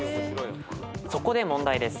そこで問題です。